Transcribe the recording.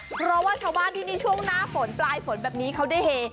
เพราะว่าชาวบ้านที่นี่ช่วงหน้าฝนปลายฝนแบบนี้เขาได้เฮ